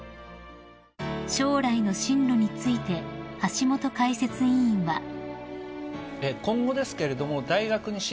［将来の進路について橋本解説委員は］